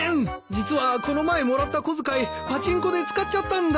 実はこの前もらった小遣いパチンコで使っちゃったんだ。